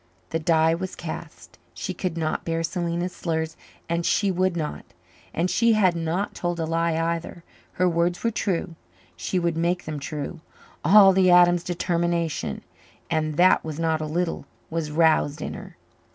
The die was cast; she could not bear Selena's slurs and she would not. And she had not told a lie either. Her words were true; she would make them true. All the Adams determination and that was not a little was roused in her.